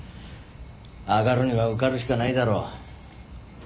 上がるには受かるしかないだろ。